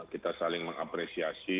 kita saling mengapresiasi